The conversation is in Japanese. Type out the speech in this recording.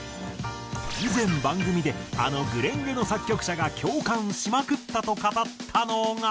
以前番組であの『紅蓮華』の作曲者が共感しまくったと語ったのが。